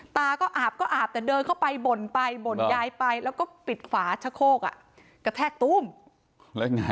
ตาก็อาบก็อาบแต่เดินเค้าไปบ่นไปหมดยายไปแล้วก็ปิดขวาชะโคกกระแทกตู้ง